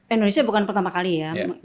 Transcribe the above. indonesia bukan pertama kali ya